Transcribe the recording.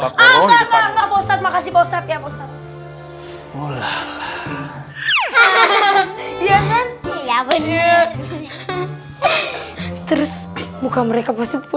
ah enggak enggak pak ustad makasih pak ustad ya